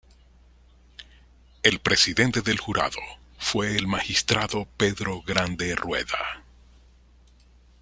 El presidente del jurado fue el magistrado Pedro Grande Rueda.